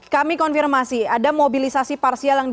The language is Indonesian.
kami konfirmasi ada mobilisasi parsial